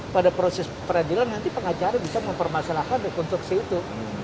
pada proses peradilan nanti pengacara bisa mempermasalahkan rekonstruksi itu